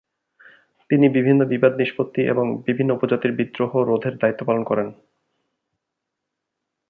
তিনি বিভিন্ন বিবাদ নিষ্পত্তি এবং বিভিন্ন উপজাতির বিদ্রোহ রোধের দায়িত্ব পালন করেন।